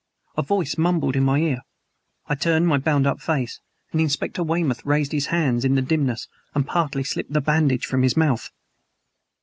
A voice mumbled in my ear. I turned my bound up face; and Inspector Weymouth raised his hands in the dimness and partly slipped the bandage from his mouth.